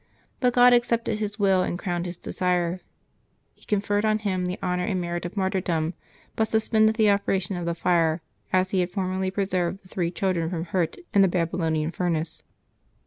But God accepted his will and crowned his desire; He conferred on him the honor and merit of martyrdom, but suspended the operation of the fire, as He had formerly preserved the three children from hurt in the Babylonian furnace.